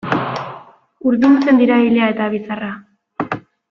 Urdintzen dira ilea eta bizarra.